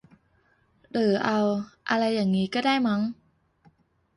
หรือเอา อะไรอย่างงี้ก็ได้มั้ง